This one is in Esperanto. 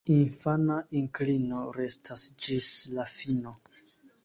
Infana inklino restas ĝis la fino.